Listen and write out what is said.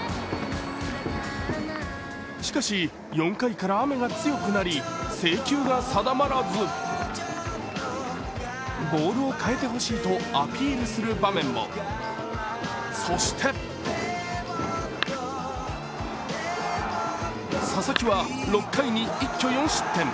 しかし、４回から雨が強くなり制球が定まらずボールを変えてほしいとアピールする場面も、そして佐々木は６回に一挙４失点。